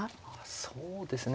そうですね